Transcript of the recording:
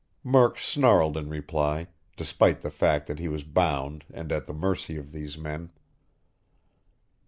Murk snarled in reply, despite the fact that he was bound and at the mercy of these men.